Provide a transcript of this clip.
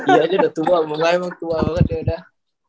iya dia udah tua bonga emang tua banget dia udah